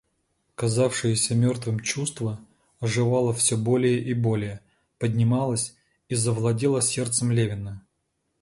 Казавшееся мертвым чувство оживало всё более и более, поднималось и завладевало сердцем Левина.